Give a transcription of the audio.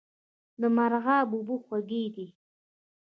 د مرغاب اوبه خوږې دي